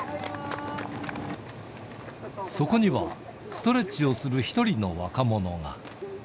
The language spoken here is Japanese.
そこにはストレッチをする一人の若者が。